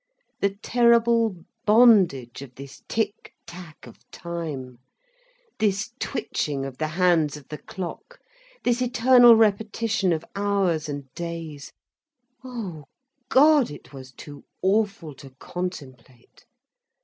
The terrible bondage of this tick tack of time, this twitching of the hands of the clock, this eternal repetition of hours and days—oh God, it was too awful to contemplate.